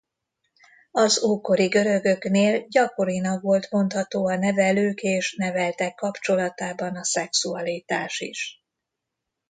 Az ókori görögöknél gyakorinak volt mondható a nevelők és neveltek kapcsolatában a szexualitás is.